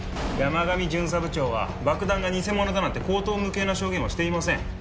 山上巡査部長は爆弾が偽物だなんて荒唐無稽な証言はしていません。